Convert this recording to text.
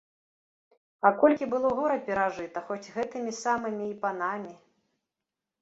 А колькі было гора перажыта хоць гэтымі самымі і панамі.